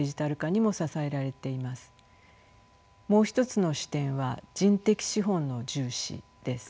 もう一つの視点は人的資本の重視です。